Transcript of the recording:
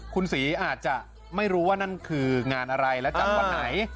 คุณศรีอาจจะไม่รู้ว่านั่นคืองานอะไรและจัดวันไหน